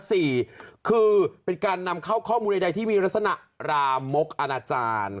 สี่คือเป็นการนำเข้าข้อมูลใดที่มีลักษณะรามกอนาจารย์